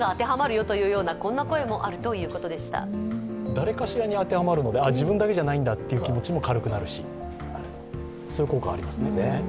誰かしらに当てはまるので自分だけじゃないんだっていう気持ちも軽くなるし、そういう効果がありますよね。